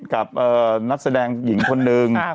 กับนักแสดงหญิงคนหนึ่ง